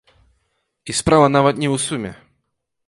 І справа нават не ў суме!